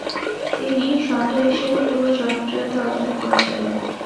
তিনি সন্ত হিসেবে খুবই জনপ্রিয়তা অর্জন করেছিলেন।